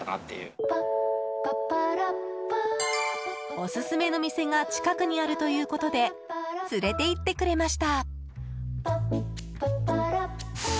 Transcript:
オススメの店が近くにあるということで連れて行ってくれました。